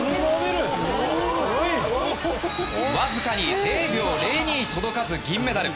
わずかに０秒０２届かず銀メダル。